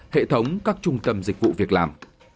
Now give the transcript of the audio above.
hệ thống các trung tâm dịch vụ việc làm